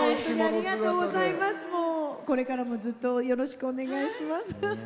これからもずっとよろしくお願いします。